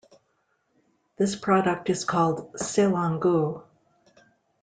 This product is called "sailonggu".